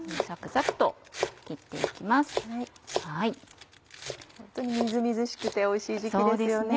ホントにみずみずしくておいしい時期ですよね。